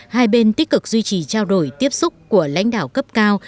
hai bên tích cực duy trì trao đổi tiếp xúc của lãnh đạo cấp cao